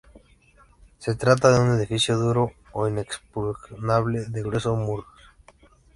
Se trata de un edificio duro e inexpugnable, de gruesos muros.